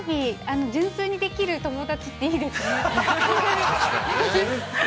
純粋にできる友達っていいですね。